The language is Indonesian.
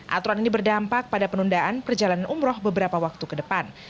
aturan ini berdampak pada penundaan perjalanan umroh beberapa waktu ke depan